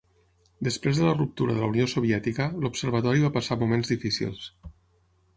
Després de la ruptura de la Unió Soviètica, l'observatori va passar moments difícils.